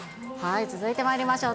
続いてまいりましょう。